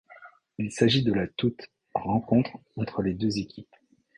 Il s'agit de la toute rencontre entre les deux équipes.